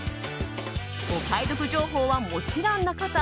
お買い得情報はもちろんのこと